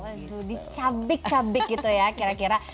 waduh dicabik cabik gitu ya kira kira